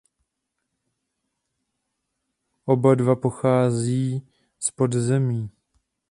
Oba dva pocházejí z podzemí.